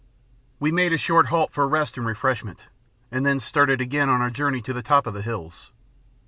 We made a short halt for rest and refreshment, and then started again on our journey to the top of the hills.